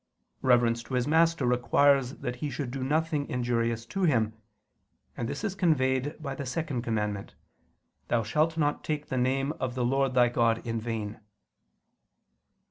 Reverence to his master requires that he should do nothing injurious to him: and this is conveyed by the second commandment, "Thou shalt not take the name of the Lord thy God in vain."